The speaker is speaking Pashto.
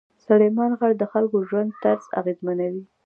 سلیمان غر د خلکو ژوند طرز اغېزمنوي.